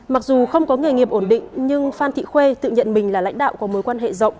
mặc dù không có nghề nghiệp ổn định nhưng phan thị khuê tự nhận mình là lãnh đạo có mối quan hệ rộng